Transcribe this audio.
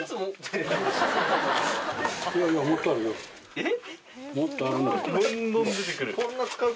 えっ？